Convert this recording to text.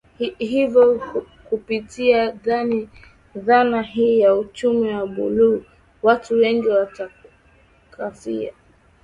Hivyo kupitia dhana hii ya uchumi wa Buluu watu wengi watanufaika